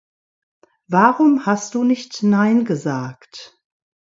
Warum hast du nicht nein gesagt?